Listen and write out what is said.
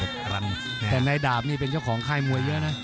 แต่นายดาบนี่เป็นเจ้าของค่ายมวยเยอะนะ